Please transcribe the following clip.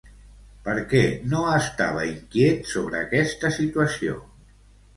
Per què no estava inquiet sobre aquesta situació?